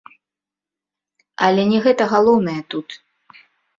Але не гэта галоўнае тут.